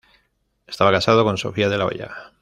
Estaba casado con Sofía de la Hoya.